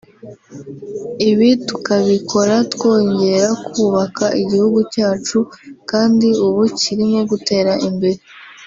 ibi tukabikora twongera kubaka igihugu cyacu kandi ubu kirimo gutera imbere